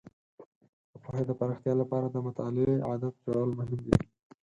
د پوهې د پراختیا لپاره د مطالعې عادت جوړول مهم دي.